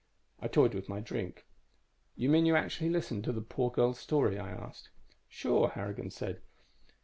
I toyed with my drink. "You mean you actually listened to the poor girl's story?" I asked. "Sure," Harrigan said.